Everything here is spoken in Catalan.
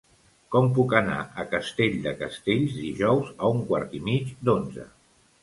Com puc anar a Castell de Castells dijous a un quart i mig d'onze?